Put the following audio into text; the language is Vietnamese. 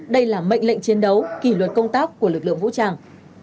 đây là mệnh lệnh chiến đấu kỷ luật công tác của lực lượng vũ trang